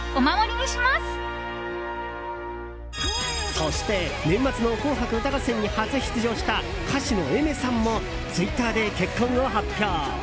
そして、年末の「紅白歌合戦」に初出場した歌手のＡｉｍｅｒさんもツイッターで結婚を発表。